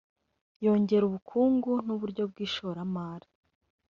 ryongera ubukungu n’uburyo bw’ishoramari